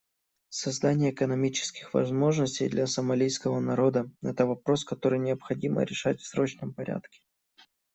Создание экономических возможностей для сомалийского народа — это вопрос, который необходимо решать в срочном порядке.